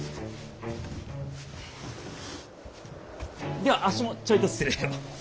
ではあっしもちょいと失礼を。